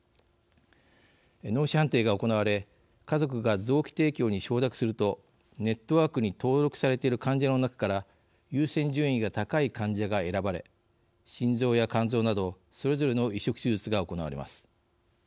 脳死判定が行われ家族が臓器提供に承諾するとネットワークに登録されている患者の中から優先順位が高い患者が選ばれ心臓や肝臓などそれぞれの移植手術が行われます。